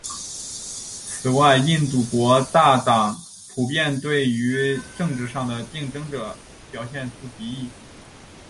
此外印度国大党普遍地对于政治上的竞争者表现出敌意。